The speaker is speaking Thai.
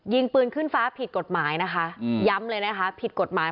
ยิงปืนขึ้นฟ้าผิดกฎหมายนะคะย้ำเลยนะคะผิดกฎหมาย